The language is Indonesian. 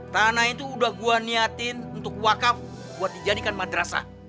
tanah itu udah gua niatin untuk wakaf buat dijadikan madrasah